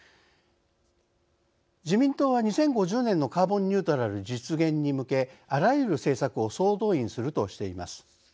自民党は「２０５０年のカーボンニュートラル実現に向けあらゆる政策を総動員する」としています。